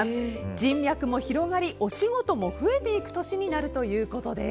人脈も広がりお仕事も増えていく年になるということです。